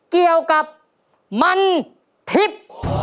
เกี่ยวกับมันทิพย์